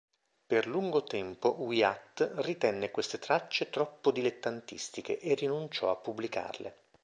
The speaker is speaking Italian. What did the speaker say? Per lungo tempo Wyatt ritenne queste tracce troppo dilettantistiche e rinunciò a pubblicarle.